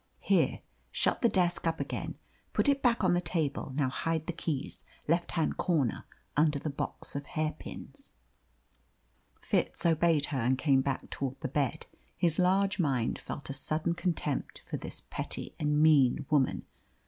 Here, shut the desk up again. Put it back on the table. Now hide the keys left hand corner, under the box of hairpins." Fitz obeyed her and came back towards the bed. His large mind felt a sudden contempt for this petty and mean woman.